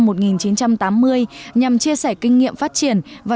nhằm chia sẻ kinh nghiệm phát triển và chuyên nghiệm của các cán bộ